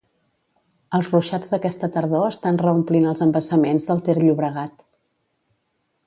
Els ruixats d'aquesta tardor estan reomplint els embassaments del Ter-Llobregat.